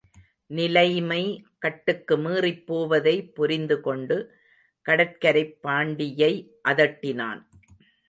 நிலைமை கட்டுக்கு மீறிப் போவதை புரிந்து கொண்டு, கடற்கரைப் பாண்டியை அதட்டினான்.